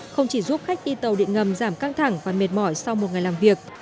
không chỉ giúp khách đi tàu điện ngầm giảm căng thẳng và mệt mỏi sau một ngày làm việc